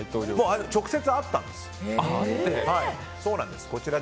直接、会ったんです。